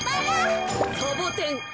サボテン。